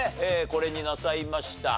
これになさいました。